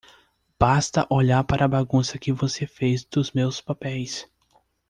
Basta olhar para a bagunça que você fez dos meus papéis.